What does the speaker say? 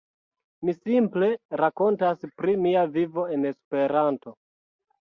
Mi simple rakontas pri mia vivo en Esperanto.